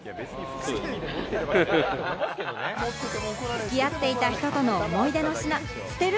つき合っていた人との思い出の品、捨てる？